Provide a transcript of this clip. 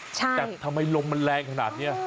แต่ทำไมลมมันแรงขนาดนี้